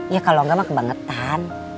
ya kalau enggak mah kebangetan